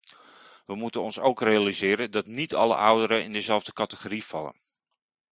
Wij moeten ons ook realiseren dat niet alle ouderen in dezelfde categorie vallen.